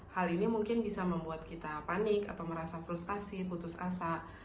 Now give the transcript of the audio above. hal ini mungkin bisa membuat kita panik atau merasa frustasi putus asa